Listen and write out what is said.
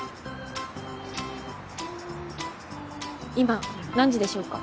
今何時でしょうか？